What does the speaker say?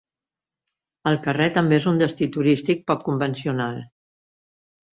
El carrer també és un destí turístic poc convencional.